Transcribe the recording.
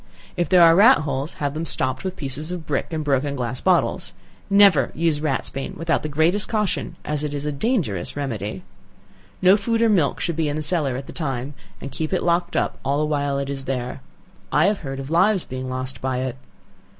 If there are rat holes have them stopped with pieces of brick, and broken glass bottles; never use ratsbane without the greatest caution, as it is a dangerous remedy. No food or milk should be in the cellar at the time, and keep it locked up all the while it is there. I have heard of lives being lost by it.